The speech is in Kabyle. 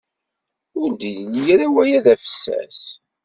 Ur d-yelli ara waya d afessas.